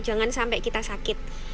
jangan sampai kita sakit